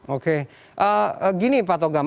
oke gini pak tongam